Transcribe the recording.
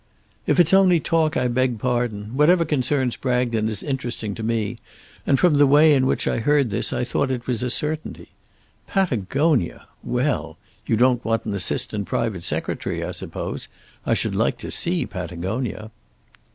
"If it's only talk I beg pardon. Whatever concerns Bragton is interesting to me, and from the way in which I heard this I thought it was a certainty. Patagonia; well! You don't want an assistant private secretary I suppose? I should like to see Patagonia."